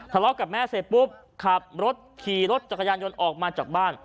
ทะเลาะกับแม่เสร็จปุ๊บขับรถขี่รถจักรยานยนต์ออกมาจากบ้าน